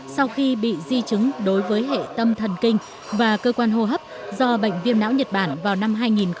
sau khi bị di chứng đối với hệ tâm thần kinh và cơ quan hô hấp do bệnh viện lão nhật bản vào năm hai nghìn một mươi bảy